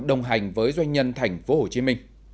đồng hành với doanh nhân tp hcm